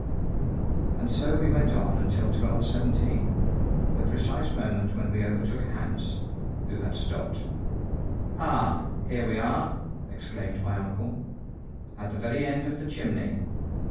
And so we went on until 12.17, the, precise moment when we overtook Hans, who had stopped. "Ah! here we are," exclaimed my uncle, "at the very end of the chimney."